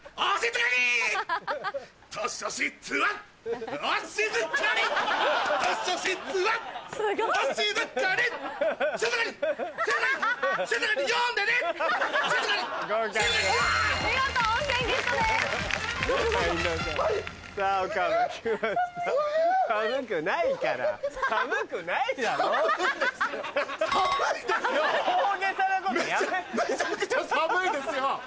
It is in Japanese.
めちゃくちゃ寒いですよ。